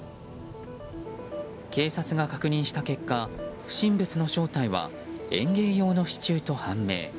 警察が確認した結果不審物の正体は園芸用の支柱と判明。